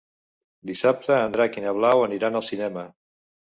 Dissabte en Drac i na Blau aniran al cinema.